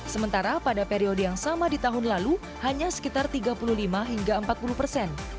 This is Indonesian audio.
sementara pada periode yang sama di tahun lalu hanya sekitar tiga puluh lima hingga empat puluh persen